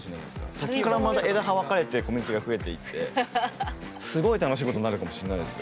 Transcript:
そこからまた枝葉分かれてコミュニティが増えていってすごい楽しいことになるかもしれないですよ。